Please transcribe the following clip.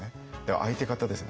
相手方ですね